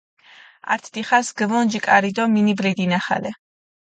ართ დიხას გჷვონჯი კარი დო მინიბლი დინახალე.